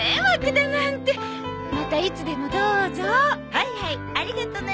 はいはいありがとね。